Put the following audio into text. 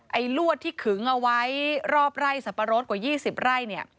ไอ้ลวดที่ขึงเอาไว้รอบไล่สัตว์ป่ารสกว่า๒๐ไล่